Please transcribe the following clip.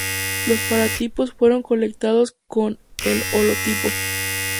Los paratipos fueron colectados con el holotipo.